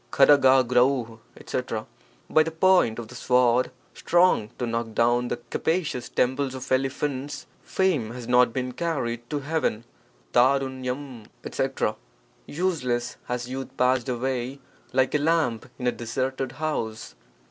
■as^MiJ: etc. — By the point of the sword strong to knock down the capacious temples of elephants, fame has not been carried to heaven. <n I <? u <H etc. — Useless has youth passed away like a lamp in a deserted house.